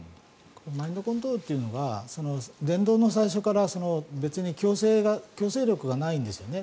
マインドコントロールというのは伝道の最初から別に強制力がないんですよね